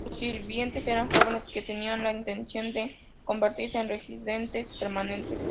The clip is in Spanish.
Los sirvientes eran jóvenes que tenían la intención de convertirse en residentes permanentes.